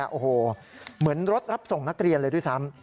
โอ้โหเหมือนรถรับส่งนักเรียนเลยด้วยซ้ำ